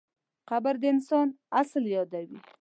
قبر د انسان اصل یادوي.